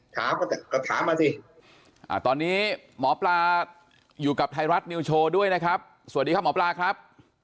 ถามก็ถามมาสิตอนนี้หมอปลาอยู่กับไทยรัฐนิวโชว์ด้วยนะครับสวัสดีครับหมอปลาครับ